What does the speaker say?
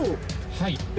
はい。